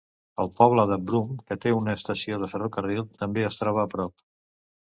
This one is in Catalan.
El poble de Broome, que té una estació de ferrocarril, també es troba a prop.